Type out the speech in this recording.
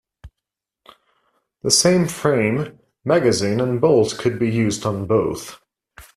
The same frame, magazine and bolt could be used on both.